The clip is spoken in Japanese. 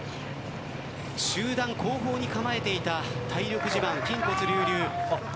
集団後方に構えていた体力自慢、筋骨隆々。